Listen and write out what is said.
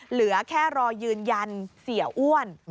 เหลือแค่รอยืนยันเสียอ้วน